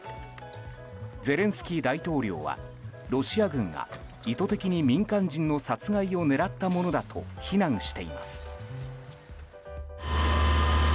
ゼレンスキー大統領はロシア軍が意図的に民間人の殺害を狙ったものだと非難しています。